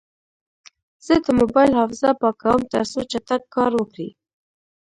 زه د موبایل حافظه پاکوم، ترڅو چټک کار وکړي.